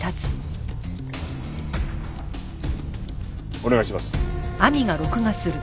お願いします。